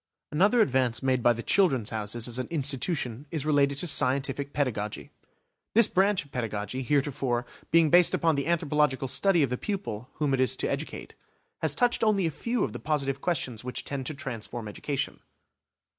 Another advance made by the "Children's Houses" as an institution is related to scientific pedagogy. This branch of pedagogy, heretofore, being based upon the anthropological study of the pupil whom it is to educate, has touched only a few of the positive questions which tend to transform education.